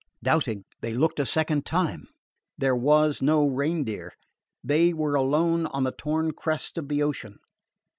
Doubting, they looked a second time. There was no Reindeer. They were alone on the torn crest of the ocean!